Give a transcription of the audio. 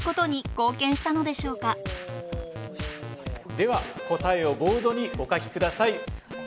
では答えをボードにお書きください。